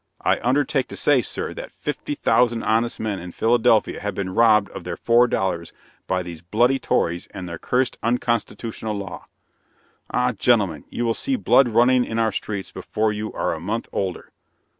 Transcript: I undertake to say, Sir, that fifty thousand honest men in Philadelphia have been robbed of their four dollars by these bloody tories and their cursed unconstitutional law! Ah, gentlemen, you will see blood running in our streets before you are a month older.